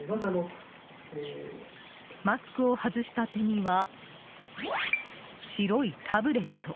マスクを外した手には白いタブレット。